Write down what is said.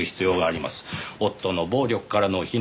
夫の暴力からの避難